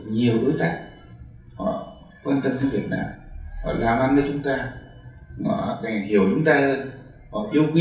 biết mình người ta trong trận trận thắng đấy không ạ